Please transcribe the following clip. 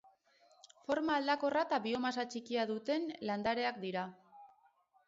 Forma aldakorra eta biomasa txikia duten landareak dira.